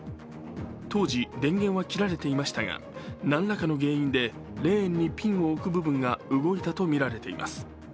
当時、電源は切られていましたが何らかの原因でレーンにピンを置く部分が動いたとみられています。